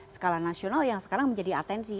skala nasional yang sekarang menjadi atensi